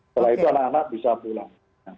setelah itu anak anak bisa pulang